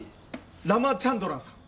ラマチャンドランさん